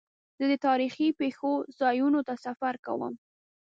زه د تاریخي پېښو ځایونو ته سفر کوم.